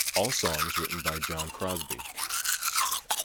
All songs written by Jon Crosby.